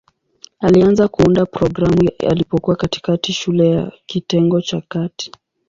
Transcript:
Alianza kuunda programu alipokuwa katikati shule ya kitengo cha kati.